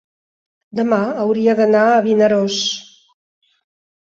Demà hauria d'anar a Vinaròs.